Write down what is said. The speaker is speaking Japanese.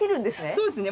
そうですね。